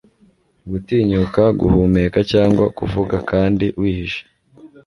Gutinyuka guhumeka cyangwa kuvuga kandi wihishe